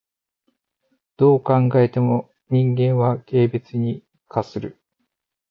どう考えても人間は軽蔑に価する。